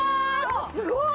すごい！